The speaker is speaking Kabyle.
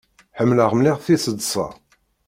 Ḥemmleɣ mliḥ tiseḍṣa.